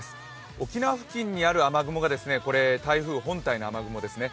沖縄付近にある雨雲が台風本体の雨雲ですね。